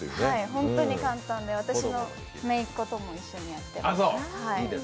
本当に簡単で、私の姪っ子とも一緒にやっています。